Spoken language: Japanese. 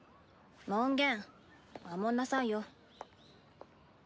門限守んなさいよ。